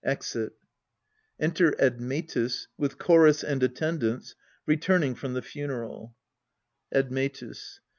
[Exit. Enter ADMETUS, with CHORUS and ATTENDANTS, return ing from the funeral Admetus.